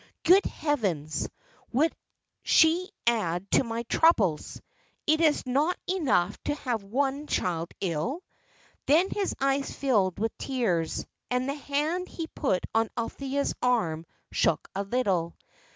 Good heavens! would she add to my troubles? Is it not enough to have one child ill?" Then his eyes filled with tears, and the hand he put on Althea's arm shook a little.